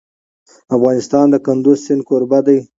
افغانستان د کندز سیند کوربه دی.